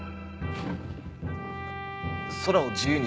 空を自由に。